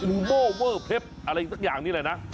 อูโมเพิปอะไรสักอย่างนี่แหละนะ